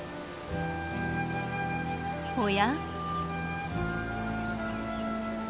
おや？